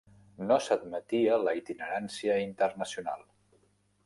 No s'admetia la itinerància internacional.